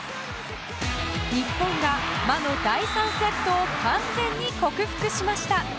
日本が魔の第３セットを完全に克服しました。